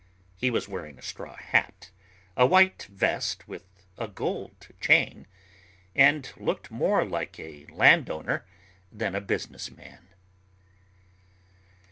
He was wearing a straw hat, a white vest with a gold chain, and looked more like a landowner than a business man.